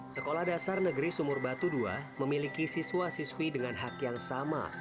sekolah dasar negeri sumur batu dua memiliki siswa siswi dengan hak yang sama